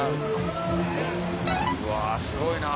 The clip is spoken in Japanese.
うわすごいな。